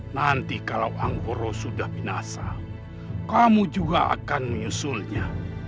nanti kalau anggoro sudah binasa kamu juga akan menyusulnya